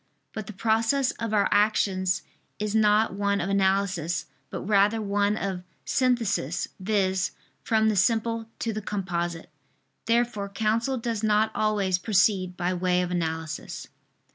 But the process of our actions is not one of analysis, but rather one of synthesis, viz. from the simple to the composite. Therefore counsel does not always proceed by way of analysis.